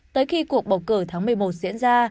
tới khi cuộc bầu cử tháng một mươi một diễn ra